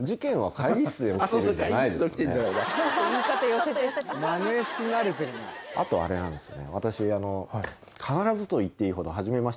会議室であとあれなんですよね